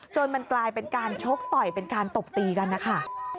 มันกลายเป็นการชกต่อยเป็นการตบตีกันนะคะ